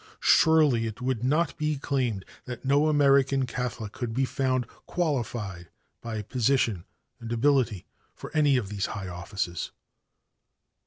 Surely it would not be claimed that no American Catholic could be found qualified by position and ability for any of these high offices.